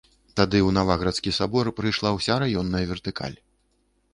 Тады ў наваградскі сабор прыйшла ўся раённая вертыкаль.